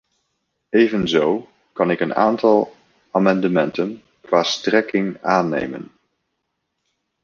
Evenzo kan ik een aantal amendementen qua strekking aannemen.